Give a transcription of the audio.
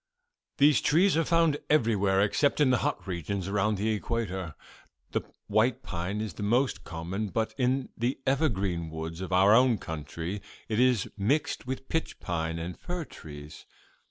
"These trees are found everywhere except in the hot regions around the equator. The white pine is the most common, but in the evergreen woods of our own country it is mixed with pitch pine and fir trees.